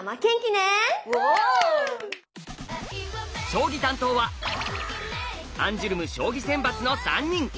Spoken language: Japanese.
将棋担当はアンジュルム将棋選抜の３人。